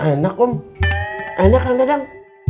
enak om enak kan dadang